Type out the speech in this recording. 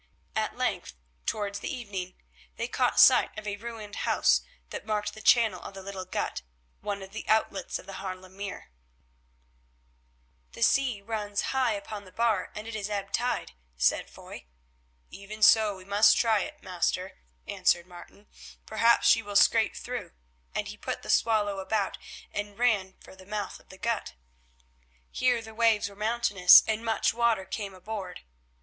At length, towards evening, they caught sight of a ruined house that marked the channel of the little gut, one of the outlets of the Haarlem Mere. "The sea runs high upon the bar and it is ebb tide," said Foy. "Even so we must try it, master," answered Martin. "Perhaps she will scrape through," and he put the Swallow about and ran for the mouth of the gut. Here the waves were mountainous and much water came aboard.